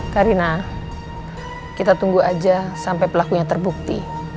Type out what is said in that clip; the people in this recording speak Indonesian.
karena kita tunggu aja sampai pelakunya terbukti